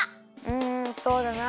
うんそうだな。